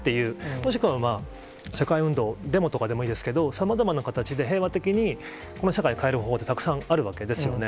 もしくは、社会運動、デモとかでもいいですけど、さまざまな形で平和的にこの社会を変える方法って、たくさんあるわけですよね。